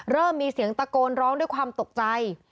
เริ่มมีเสียงตะโกนร้องด้วยความตกใจ